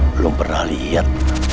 belum pernah lihat